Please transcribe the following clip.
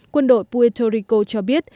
quân đội puerto rico cho biết